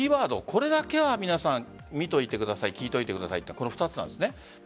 これだけは皆さん見といてください聞いといてくださいというのがこの２つなんです。